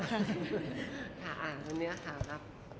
คุณเนื้อค่ะครับ